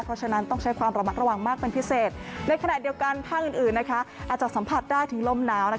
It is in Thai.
เพราะฉะนั้นต้องใช้ความระมัดระวังมากเป็นพิเศษในขณะเดียวกันภาคอื่นอาจจะสัมผัสได้ถึงลมหนาว